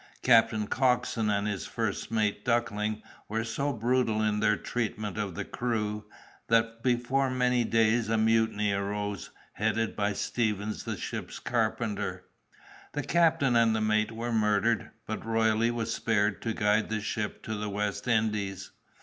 Captain Coxon and his first mate, Duckling, were so brutal in their treatment of the crew, that before many days a mutiny arose, headed by Stevens the ship's carpenter. The captain and the mate were murdered, but Royle was spared to guide the ship to the West Indies.